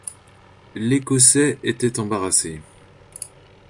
L’Écossais était embarrassé.